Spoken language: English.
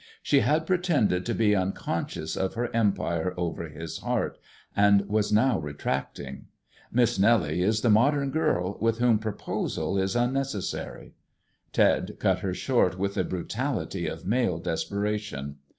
She had pretended to be unconscious of her empire over his heart, and was now retracting. Miss Nellie is the modern girl, with whom proposal is unnecessary. Ted cut her short with the brutality of male desperation.